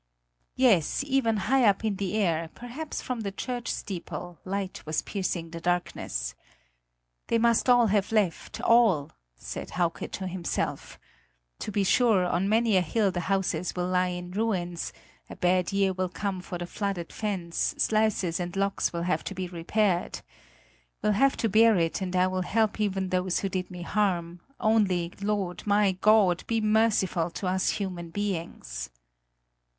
Yes, even high up in the air, perhaps from the church steeple, light was piercing the darkness. "They must all have left all!" said Hauke to himself; "to be sure, on many a hill the houses will lie in ruins; a bad year will come for the flooded fens; sluices and locks will have to be repaired! We'll have to bear it and I will help even those who did me harm; only, Lord, my God, be merciful to us human beings!"